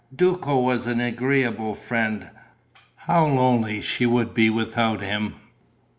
Duco was an agreeable friend: how lonely she would be without him!